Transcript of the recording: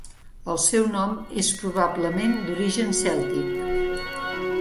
El seu nom és probablement d'origen cèltic.